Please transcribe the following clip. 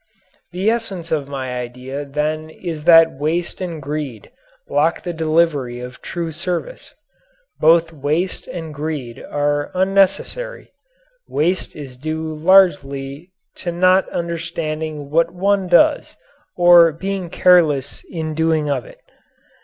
The essence of my idea then is that waste and greed block the delivery of true service. Both waste and greed are unnecessary. Waste is due largely to not understanding what one does, or being careless in doing of it.